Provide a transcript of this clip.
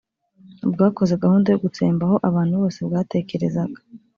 bwakoze gahunda yo gutsembaho abantu bose bwatekerezaga